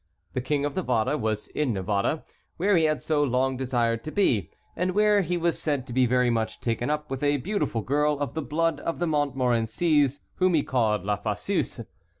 The King of Navarre was in Navarre, where he had so long desired to be, and where he was said to be very much taken up with a beautiful girl of the blood of the Montmorencies whom he called La Fosseuse.